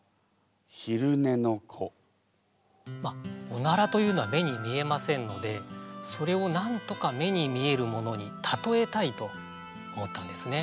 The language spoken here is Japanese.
おならというのは目に見えませんのでそれをなんとか目に見えるものに例えたいと思ったんですね。